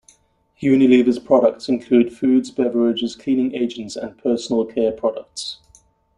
Unilever's products include foods, beverages, cleaning agents and personal care products.